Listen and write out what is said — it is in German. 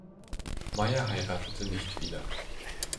Meyer heiratete nicht wieder.